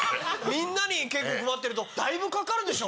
みんなに配ってるとだいぶかかるでしょ？